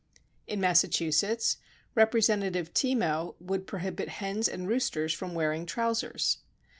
In Massa chusetts, Representative Teamoh would prohibit hens and roosters from wearing trousers.